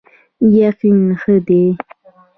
یقین ښه دی.